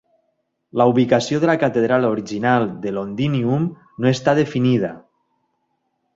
La ubicació de la catedral original de Londinium no està definida.